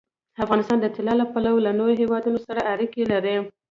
افغانستان د طلا له پلوه له نورو هېوادونو سره اړیکې لري.